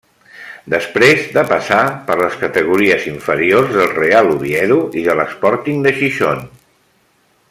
Després de passar per les categories inferiors del Real Oviedo i de l'Sporting de Gijón.